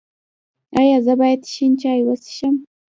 ایا زه باید شین چای وڅښم؟